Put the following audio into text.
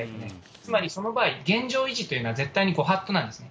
つまりその場合、現状維持というのは絶対にご法度なんですね。